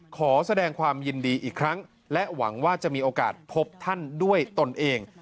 ขอแสดงความยินดีอีกครั้งและหวังว่าจะมีโอกาสพบท่านด้วยตนเอง